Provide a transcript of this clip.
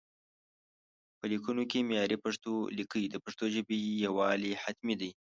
په ليکونو کې معياري پښتو ليکئ، د پښتو ژبې يووالي حتمي دی